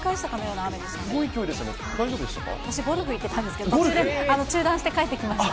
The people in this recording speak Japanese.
私、ゴルフ行ってたんですけど、途中で中断して帰ってきました。